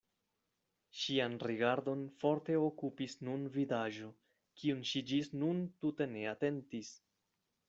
Ŝian rigardon forte okupis nun vidaĵo, kiun ŝi ĝis nun tute ne atentis.